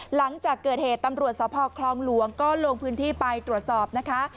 หลังจากเกิดเหตุตำรวจสพคลองหลวงก็ลงพื้นที่ไปตรวจสอบนะคะ